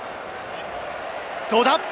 どうだ？